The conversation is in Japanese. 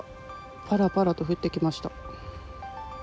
ぱらぱらと降ってきました。